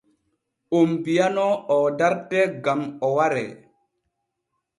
Oon bi’anoo o dartee gam o waree.